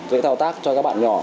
dễ thao tác cho các bạn nhỏ